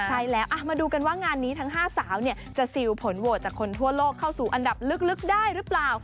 ใช่แล้วมาดูกันว่างานนี้ทั้ง๕สาวจะซิลผลโหวตจากคนทั่วโลกเข้าสู่อันดับลึกได้หรือเปล่า